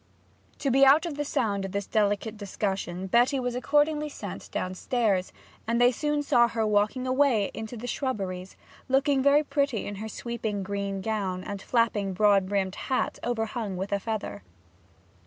To be out of the sound of this delicate discussion Betty was accordingly sent downstairs, and they soon saw her walking away into the shrubberies, looking very pretty in her sweeping green gown, and flapping broad brimmed hat overhung with a feather.